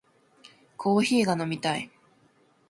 コーヒーが飲みたい